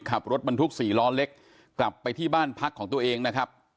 ขับรถบรรทุกสี่ล้อเล็กกลับไปที่บ้านพักของตัวเองนะครับ